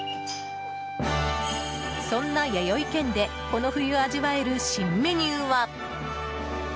そんな、やよい軒でこの冬味わえる新メニューは。